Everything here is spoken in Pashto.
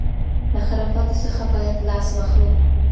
له خرافاتو څخه بايد لاس واخلو.